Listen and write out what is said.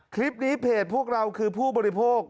เพจพวกเราคือผู้บริโภค